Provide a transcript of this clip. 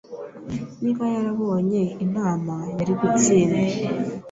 Niba yarabonye inama, yari gutsinda.